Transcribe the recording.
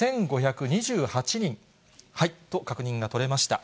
１５２８人と確認が取れました。